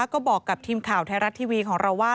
ก็บอกกับทีมข่าวไทยรัฐทีวีของเราว่า